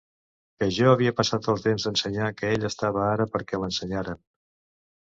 Que ja havia passat el temps d'ensenyar, que ell estava ara perquè l'ensenyaren...